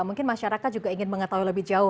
mungkin masyarakat juga ingin mengetahui lebih jauh